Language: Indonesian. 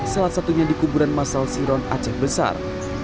salah satunya di kuburan masal siron aceh besar